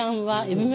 はい。